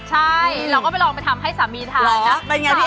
แล้วก็ไปลองไปทำให้สามีทานนะ